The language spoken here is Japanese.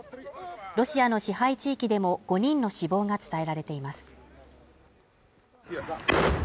ロシアの支配地域でも、５人の死亡が伝えられています。